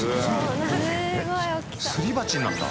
すり鉢になった？